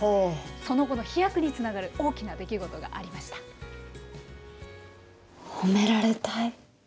その後の飛躍につながる大きな出褒められたい。